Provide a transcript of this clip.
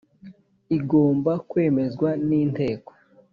igomba kwemezwa n inteko